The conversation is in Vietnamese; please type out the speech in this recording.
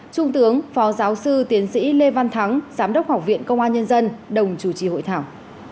trung tướng phó giáo sư tiến sĩ lê văn thắng giám đốc học viện công an nhân dân đồng chủ trì hội thảo